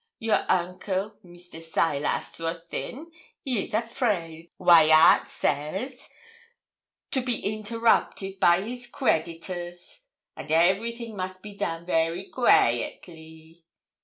Your uncle, Mr. Silas Ruthyn, he is afraid, Waiatt says, to be interrupted by his creditors, and everything must be done very quaitly.